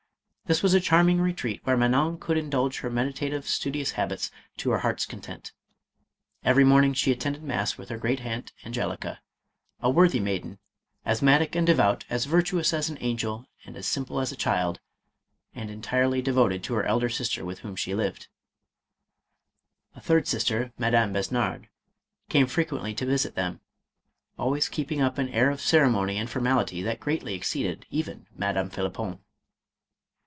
This was a charming retreat, where Manon could in dulge in her meditative, studious habits, to her heart's content. Every morning she attended mass with her great aunt, Angelica, "a worthy maiden, asthmatic and devout, as virtuous as an angel and as simple as a child," and entirely devoted to her elder sister with whom she lived. A third sister, Madame Besnard, came frequently to visit them, always keeping up an air of ceremony and formality that greatly exceeded even Madame Phlippon.